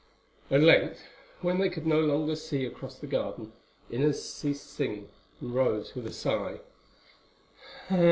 At length, when they could no longer see across the garden, Inez ceased singing and rose with a sigh.